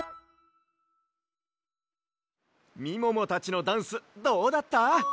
みももたちのダンスどうだった？